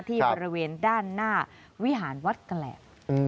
ที่บริเวณด้านหน้าวิหารวัดแกรบ